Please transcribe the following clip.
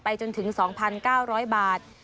จนถึง๒๙๐๐บาท